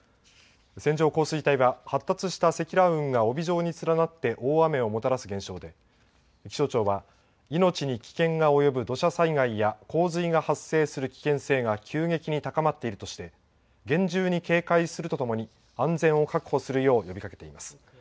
線状降水帯は発達した積乱雲が帯状に連なって大雨をもたらす現象で、気象庁は、命に危険が及ぶ土砂災害や洪水が発生する危険性が急激に高まっているとして、厳重に警戒するとともに、安全を確保するよう、呼びかけています。